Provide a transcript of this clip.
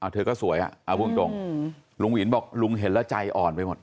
เธอก็สวยเอาพูดตรงลุงหินบอกลุงเห็นแล้วใจอ่อนไปหมด